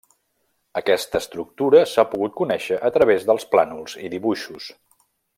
Aquesta estructura s'ha pogut conèixer a través dels plànols i dibuixos.